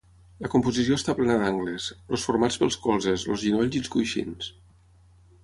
La composició està plena d'angles: els formats pels colzes, els genolls i els coixins.